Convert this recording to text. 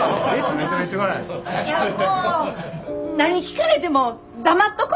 もう何聞かれても黙っとこ。